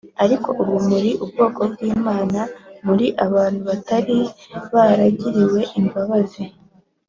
ariko ubu muri ubwoko bw Imana mwari abantu batari baragiriwe imbabazi